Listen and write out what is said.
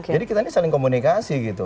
jadi kita ini saling komunikasi gitu